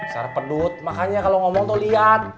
sarap dud makanya kalau ngomong tuh lihat